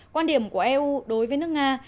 quan điểm của eu đối với nước nga